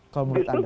kalau menurut anda